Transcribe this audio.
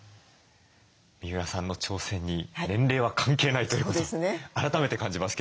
三浦さんの挑戦に年齢は関係ないということを改めて感じますけれども。